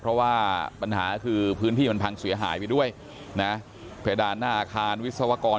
เพราะว่าปัญหาคือพื้นที่มันพังเสียหายไปด้วยนะเพดานหน้าอาคารวิศวกร